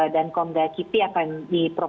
dan kombas kipi akan diperoleh